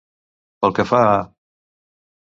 Pel que fa a.